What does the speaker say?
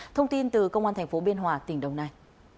thông tin từ công an tp biên hòa tỉnh đồng nai